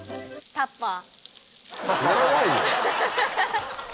タッパー。